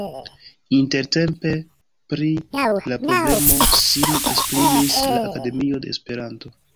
Intertempe pri la problemo sin esprimis la Akademio de Esperanto.